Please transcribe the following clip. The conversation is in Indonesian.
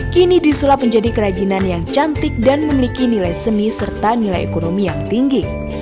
kini disulap menjadi kerajinan yang cantik dan memiliki nilai seni serta nilai ekonomi yang tinggi